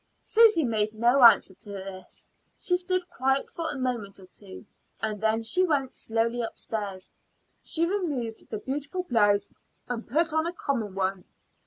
Susy made no answer to this. She stood quiet for a minute or two, and then she went slowly upstairs. She removed the beautiful blouse and put on a common one.